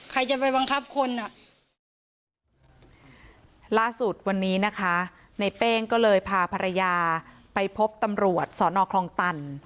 ใครจะไปบังคับคนอ่ะล่าสุดวันนี้นะคะในเป้งก็เลยพาภรรยาไปพบตำรวจสอนอคลองตัน